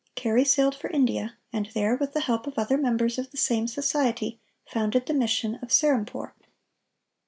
Carey sailed for India, and there, with the help of other members of the same society, founded the mission of Serampore."